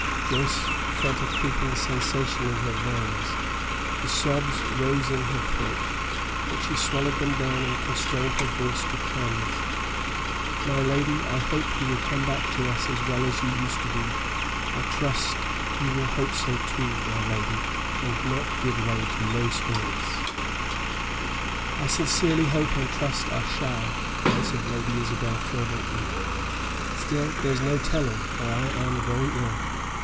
Joyce felt a creeping sensation in her veins, the sobs rose in her throat, but she swallowed them down and constrained her voice to calmness. "My lady, I hope you will come back to us as well as you used to be. I trust you will hope so too, my lady, and not give way to low spirits." "I sincerely hope and trust I shall," answered Lady Isabel, fervently. "Still, there's no telling, for I am very ill.